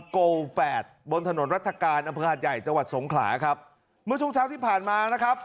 โกแปดบนถนนรัฐกาลอำเภอหาดใหญ่จังหวัดสงขลาครับเมื่อช่วงเช้าที่ผ่านมานะครับ